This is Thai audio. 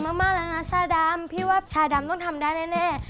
มากแล้วนะชาดำพี่ว่าชาดำต้องทำได้แน่